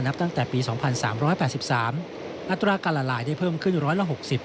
ตั้งแต่ปี๒๓๘๓อัตราการละลายได้เพิ่มขึ้นร้อยละ๖๐